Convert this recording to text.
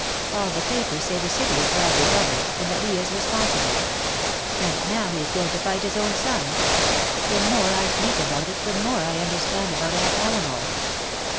"All the papers say the city is badly governed, and that he is responsible. And now he is going to fight his own son! The more I think about it, the more I understand about Aunt Elinor.